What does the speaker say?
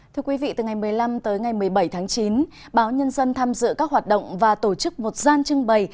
thưa quý vị từ ngày một mươi năm tới ngày một mươi bảy tháng chín báo nhân dân tham dự các hoạt động và tổ chức một gian trưng bày